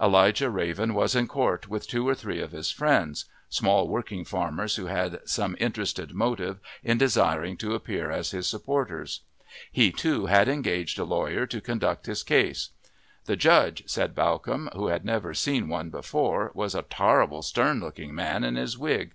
Elijah Raven was in court with two or three of his friends small working farmers who had some interested motive in desiring to appear as his supporters. He, too, had engaged a lawyer to conduct his case. The judge, said Bawcombe, who had never seen one before, was a tarrible stern looking old man in his wig.